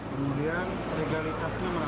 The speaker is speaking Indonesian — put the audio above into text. kemudian legalitasnya merahkan